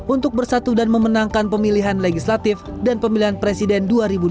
untuk bersatu dan memenangkan pemilihan legislatif dan pemilihan presiden dua ribu dua puluh